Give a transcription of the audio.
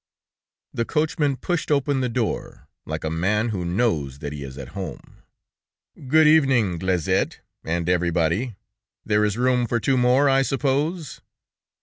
The coachman pushed open the door, like a man who knows that he is at home. "Good evening, Glaizette, and everybody; there is room for two more, I suppose?"